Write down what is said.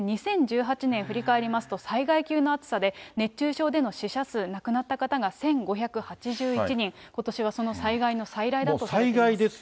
２０１８年、振り返りますと、災害級の暑さで、熱中症での死者数、亡くなった方が１５８１人、ことしはその災害の再来だということです。